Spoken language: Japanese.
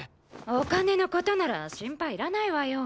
お金の事なら心配いらないわよ。